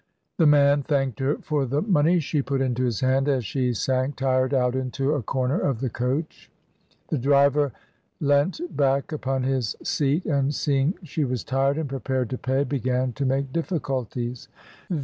The man thanked her for the money she put into his hand as she sank tired out into a corner of the coach. The driver leant back upon his seat, and seeing she was tired and prepared to pay, began to make difficulties.